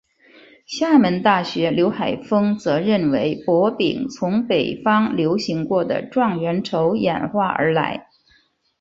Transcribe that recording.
厦门大学刘海峰则认为博饼从北方流行过的状元筹演化而来。